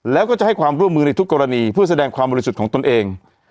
แล้วก็จะให้ความร่วมมือในทุกกรณีเพื่อแสดงความบริสุทธิ์ของตนเอง